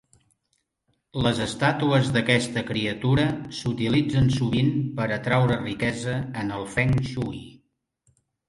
Les estàtues d'aquesta criatura s'utilitzen sovint per atraure riquesa en el Feng Shui.